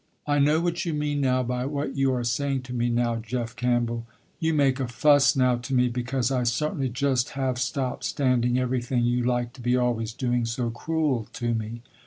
"I know what you mean now by what you are saying to me now Jeff Campbell. You make a fuss now to me, because I certainly just have stopped standing everything you like to be always doing so cruel to me.